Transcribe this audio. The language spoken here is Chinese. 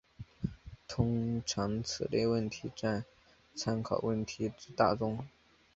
通常此类问题占参考问题之大宗。